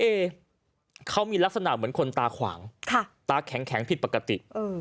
เอ๊เขามีลักษณะเหมือนคนตาขวางตาแข็งผิดปกติ